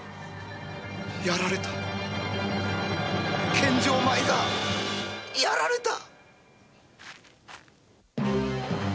やられた献上米がやられた！？